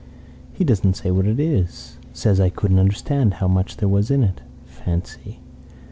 He doesn't say what it is. Says I couldn't understand how much there was in it. Fancy!